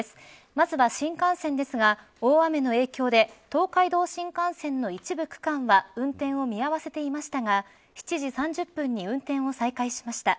まずは新幹線ですが大雨の影響で東海道新幹線の一部区間は運転を見合わせていましたが７時３０分に運転を再開しました。